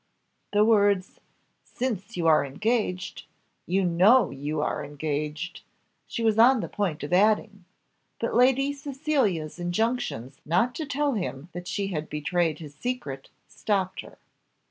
The words, "since you are engaged," "you know you are engaged," she was on the point of adding, but Lady Cecilia's injunctions not to tell him that she had betrayed his secret stopped her.